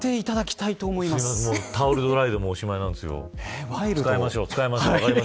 タオルドライでおしまいです。